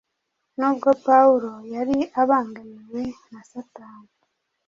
Nubwo Pawulo yari abangamiwe na Satani,